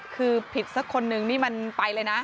คือผิดสักคนนึงนี่มันไปเลยนะ